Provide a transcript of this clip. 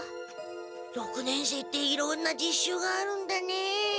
六年生っていろんな実習があるんだね。